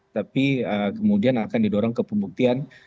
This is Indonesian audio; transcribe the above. tapi kemudian akan didorong ke pembuktian